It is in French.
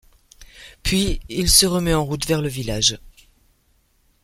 Puis, il se remet en route vers le village. ..